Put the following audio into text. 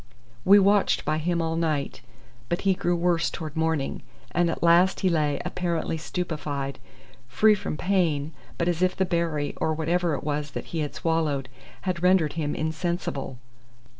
We watched by him all night, but he grew worse towards morning, and at last he lay apparently stupefied, free from pain, but as if the berry, or whatever it was that he had swallowed, had rendered him insensible.